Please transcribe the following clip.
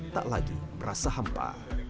tak lagi merasa hampa